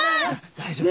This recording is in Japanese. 大丈夫。